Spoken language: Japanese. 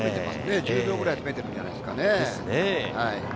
１０秒ぐらい詰めてるんじゃないですかね。